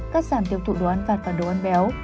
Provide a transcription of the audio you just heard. cắt giảm tiêu thụ đồ ăn phạt và đồ ăn béo